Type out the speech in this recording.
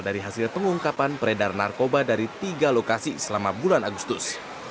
dari hasil pengungkapan peredar narkoba dari tiga lokasi selama bulan agustus